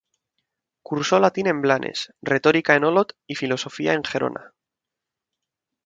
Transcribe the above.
Cursó latín en Blanes, retórica en Olot y filosofía en Gerona.